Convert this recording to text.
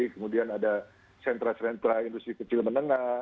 kemudian ada sentra sentra industri kecil menengah